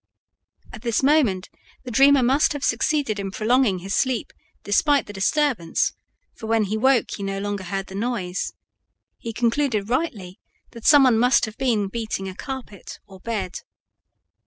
At this moment the dreamer must have succeeded in prolonging his sleep despite the disturbance, for when he woke he no longer heard the noise; he concluded rightly that some one must have been beating a carpet or bed.